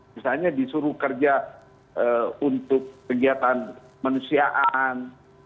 misalnya disuruh kerja untuk kegiatan manusiaan